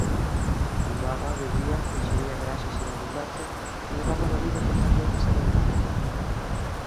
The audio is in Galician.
Fumaba, bebía, inxería graxas en abundancia e levaba unha vida totalmente sedentaria.